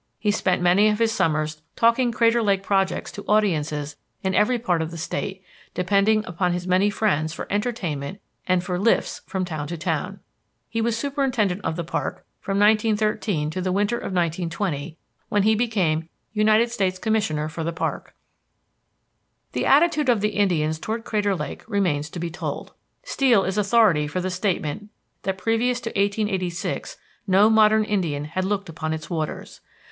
He spent many of his summers talking Crater Lake projects to audiences in every part of the State, depending upon his many friends for entertainment and for "lifts" from town to town. He was superintendent of the park from 1913 to the winter of 1920, when he became United States commissioner for the park. The attitude of the Indians toward Crater Lake remains to be told. Steel is authority for the statement that previous to 1886 no modern Indian had looked upon its waters.